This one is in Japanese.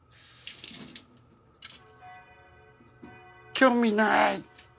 興味ない。